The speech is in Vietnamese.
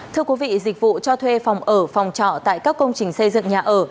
thưa quý vị dịch vụ cho thuê phòng ở phòng trọ tại các công trình xây dựng nhà ở